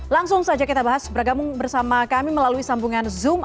langsung saja kita bahas bergabung bersama kami melalui sambungan zoom